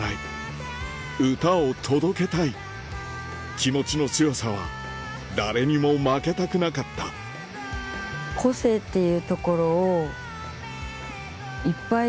気持ちの強さは誰にも負けたくなかったあそれやってたね。